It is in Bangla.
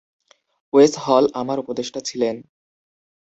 ওয়েস হল আমার উপদেষ্টা ছিলেন।